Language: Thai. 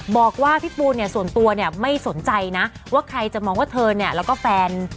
บอกว่าพี่ปูเนี่ยส่วนตัวเนี่ยไม่สนใจนะว่าใครจะมองว่าเธอเนี่ยแล้วก็แฟน